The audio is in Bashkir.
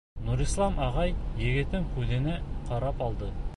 Нурислам ағай егеттең күҙенә ҡарап алды.